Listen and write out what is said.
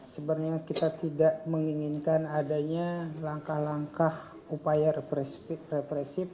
sebenarnya kita tidak menginginkan adanya langkah langkah upaya represif